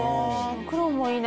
黒もいいな。